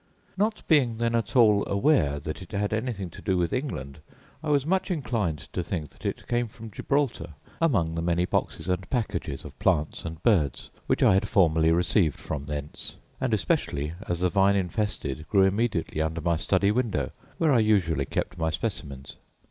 Not being then at all aware that it had anything to do with England, I was much inclined to think that it came from Gibraltar among the many boxes and packages of plants and birds which I had formerly received from thence; and especially as the vine infested grew immediately under my study window, where I usually kept my specimens.